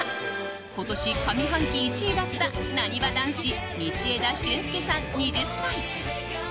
今年、上半期１位だったなにわ男子道枝駿佑さん、２０歳。